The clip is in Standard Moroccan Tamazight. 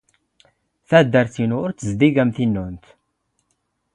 ⵜⴰⴷⴷⴰⵔⵜ ⵉⵏⵓ ⵓⵔ ⵜⵣⴷⴷⵉⴳ ⴰⵎ ⵜⵉⵏⵏⵓⵏⵜ.